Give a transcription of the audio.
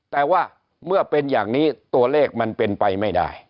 แต่ว่าเมื่อเป็นอย่างนี้ตัวเลขมันเป็นไปไม่ได้